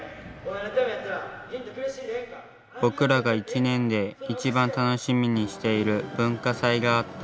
僕らが１年で一番楽しみにしている文化祭があった。